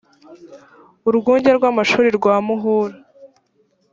urwunge rw amashuri rwa muhura